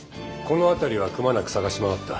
この辺りはくまなく捜し回った。